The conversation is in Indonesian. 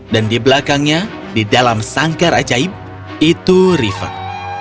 dan di belakangnya di dalam sangkar ajaib itu river